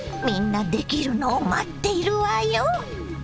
みんなできるのを待っているわよ！